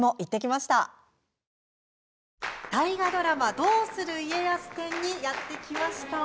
「どうする家康」展にやって来ました。